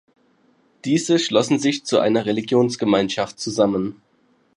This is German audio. Diese schlossen sich zu einer Religionsgemeinschaft zusammen.